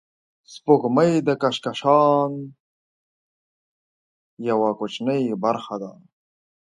سپوږمۍ د کهکشان یوه کوچنۍ برخه ده